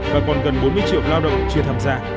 và còn gần bốn mươi triệu lao động chưa tham gia